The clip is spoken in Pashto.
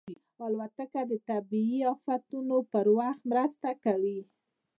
الوتکه د طبیعي افتونو په وخت مرسته کوي.